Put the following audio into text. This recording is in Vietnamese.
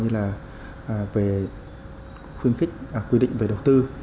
thứ ba là chúng tôi xây dựng những quy định về đầu tư